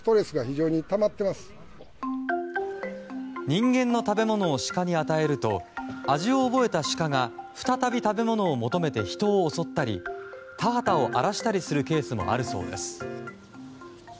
人間の食べ物を鹿に与えると味を覚えた鹿が再び食べ物を求めて人を襲ったり田畑を荒らしたりするケースもあるそうです。